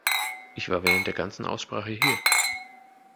Ich war während der ganzen Aussprache hier.